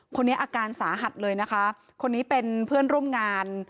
คนนี้อาการสาหัสเลยนะคะคนนี้เป็นเพื่อนร่วมงาน